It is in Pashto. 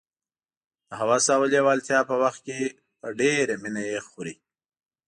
د هوس او لېوالتیا په وخت کې په ډېره مینه یې خوري.